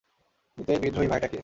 কিন্তু এই বিদ্রোহী ভাইটা কে?